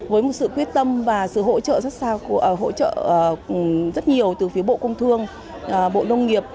với một sự quyết tâm và sự hỗ trợ rất nhiều từ phía bộ công thương bộ nông nghiệp